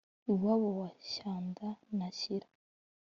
iwabo wa shyanda na shyira